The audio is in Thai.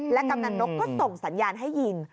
กำนันนกก็ส่งสัญญาณให้ยิน